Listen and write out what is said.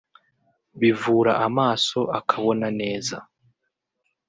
bivura amaso akabona neza